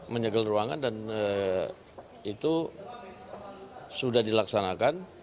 menyegel ruangan dan itu sudah dilaksanakan